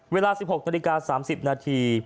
เวลา๑๖นาฬิกา๓๐นาที